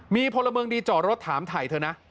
มีพลเมืองดีจอดรถถามถ่ายเธอนะ